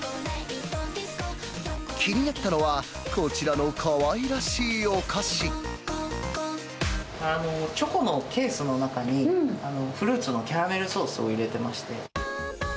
気になったのは、チョコのケースの中に、フルーツのキャラメルソースを入れてまして。